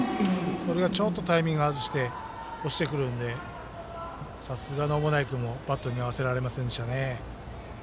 それがちょっとタイミング外して落ちてくるのでさすがの小保内君もバットに合わせられませんでしたね。